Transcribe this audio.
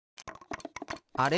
あれ？